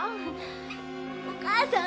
お母さん。